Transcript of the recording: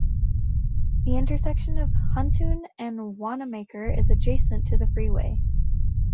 The intersection of Huntoon and Wanamaker is adjacent to the freeway.